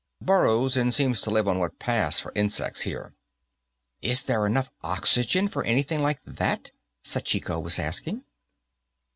Burrows, and seems to live on what pass for insects here." "Is there enough oxygen for anything like that?" Sachiko was asking.